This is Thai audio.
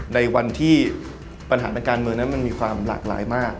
ในวันที่ปัญหาทางการเมืองนั้นมันมีความหลากหลายมาก